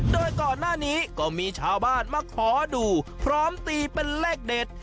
โดยก่อนหน้านี้ก็มีชาวบ้านมาขอดูพร้อมตีเป็นเลขเด็ด